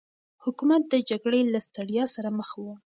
حکومت د جګړې له ستړيا سره مخ و.